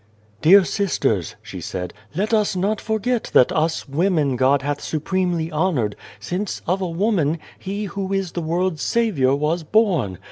" Dear sisters," she said, "let us not forget that us women God hath supremely honoured, since, of a woman, He who is the world's Saviour was born.